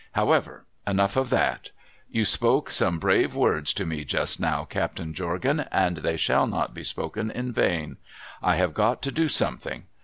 'However ! Enough of that ! You spoke some brave words to me just now. Captain Jorgan, and they shall not be spoken in vain. I have got to do something.